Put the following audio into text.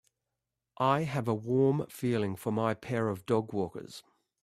I have a warm feeling for my pair of dogwalkers.